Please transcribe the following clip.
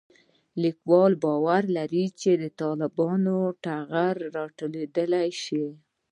لیکوال باور لري چې د طالبانو ټغر راټولېدای شي